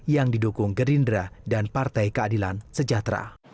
yang didukung gerindra dan partai keadilan sejahtera